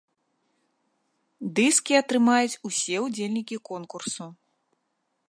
Дыскі атрымаюць усе удзельнікі конкурсу!